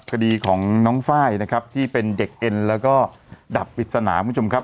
คดีของน้องไฟล์นะครับที่เป็นเด็กเอ็นแล้วก็ดับปริศนาคุณผู้ชมครับ